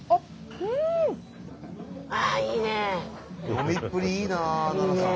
飲みっぷりいいなＮＡＮＡさん。